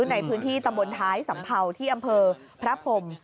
ในพื้นที่ตำบลท้ายสัมเภาที่อำเภอพระพรม